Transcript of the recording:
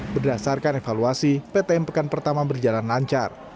berdasarkan evaluasi ptm pekan pertama berjalan lancar